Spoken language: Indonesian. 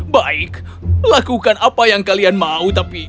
baik lakukan apa yang kalian mau tapi